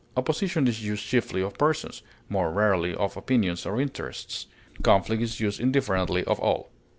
Opposition is used chiefly of persons, more rarely of opinions or interests; conflict is used indifferently of all.